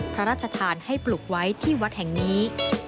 พระราชทานให้ปลูกไว้ที่วัดแห่งนี้